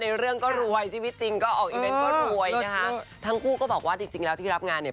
เรื่องก็รวยชีวิตจริงก็ออกอีเวนต์ก็รวยนะคะทั้งคู่ก็บอกว่าจริงจริงแล้วที่รับงานเนี่ย